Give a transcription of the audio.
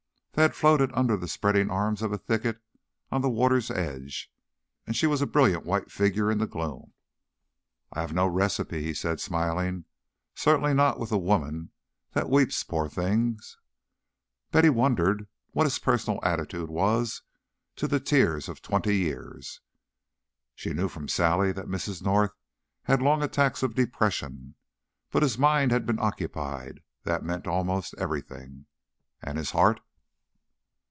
They had floated under the spreading arms of a thicket on the water's edge, and she was a brilliant white figure in the gloom. "I have no recipe," he said, smiling. "Certainly not with the women that weep, poor things!" Betty wondered what his personal attitude was to the tears of twenty years. She knew from Sally that Mrs. North had long attacks of depression. But his mind had been occupied; that meant almost everything. And his heart?